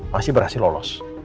masih berhasil lolos